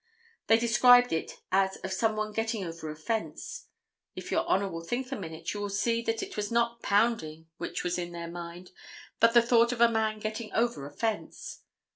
They described it as of some one getting over a fence. If Your Honor will think a minute, you will see that it was not pounding which was in their minds, but the thought of a man getting over a fence.